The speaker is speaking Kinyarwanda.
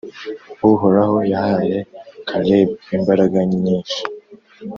Uhoraho yahaye Kalebu imbaraga nyinshi,